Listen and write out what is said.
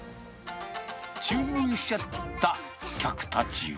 注文しちゃった客たちは。